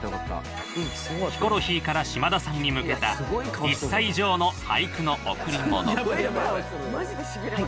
ヒコロヒーから嶋田さんに向けた、一茶以上の俳句の贈り物。